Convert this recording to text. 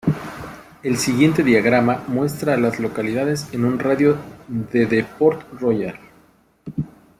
El siguiente diagrama muestra a las localidades en un radio de de Port Royal.